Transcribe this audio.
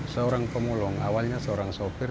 seorang pemulung awalnya seorang sopir